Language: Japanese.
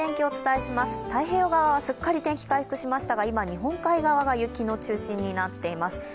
太平洋側はすっかり天気、回復しましたが、今、日本海側が雪の中心になっています。